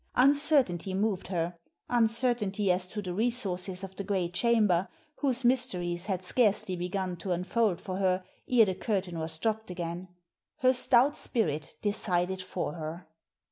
Uncertainty moved her; uncertainty as to the resources of the great chamber, whose mysteries had scarcely begun to unfold for her ere the curtain was dropped again. Her stout spirit decided for her.